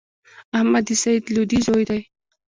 احمد د سعید لودی زوی دﺉ.